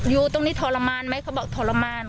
อยู่ตรงนี้ทรมานไหมเขาบอกทรมาน